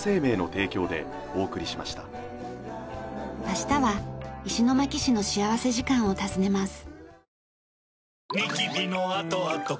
明日は石巻市の幸福時間を訪ねます。